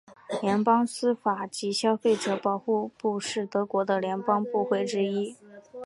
联邦司法及消费者保护部是德国的联邦部会之一。